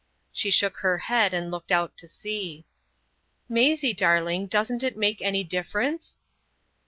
She shook her head and looked out to sea. "Maisie, darling, doesn't it make any difference?"